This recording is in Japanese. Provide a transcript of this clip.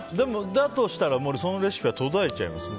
だとしたらそのレシピは途絶えちゃいますね。